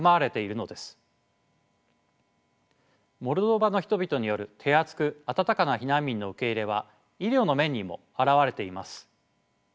モルドバの人々による手厚く温かな避難民の受け入れは医療の面にも現れています。